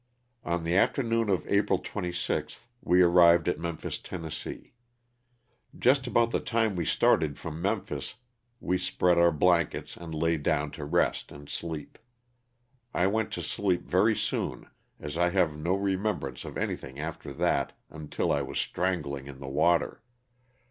On the afternoon of April 26th we arrived at Memphis, Tenn. Just about the time we started from Memphis we spread our blankets and lay down to rest and sleep. I went to sleep very soon as I have no remembrance of anything after that until I was strangling in the water.